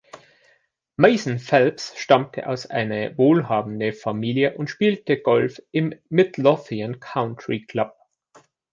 Mason Phelps stammte aus eine wohlhabenden Familie und spielte Golf im "Midlothian Country Club".